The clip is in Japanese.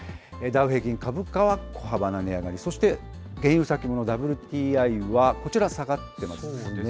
ダウ平均株価は小幅な値上がり、そして原油先物ＷＴＩは、こちら、下がっていますね。